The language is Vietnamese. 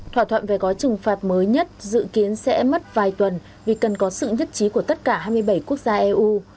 thỏa thuận về gói trừng phạt mới nhất dự kiến sẽ mất vài tuần vì cần có sự nhất trí của tất cả hai mươi bảy quốc gia eu